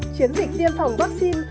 chiến dịch tiêm phòng vaccine